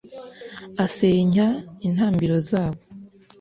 asenya intambiro zabo